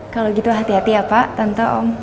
kalau gitu hati hati ya pak tanto om